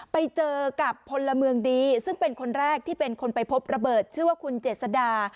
ไปเจอกับพลเมืองดีซึ่งเป็นคนแรกที่เป็นคนไปพบระเบิดชื่อว่าคุณเจษดา